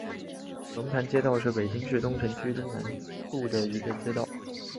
龙潭街道是北京市东城区东南部的一个街道。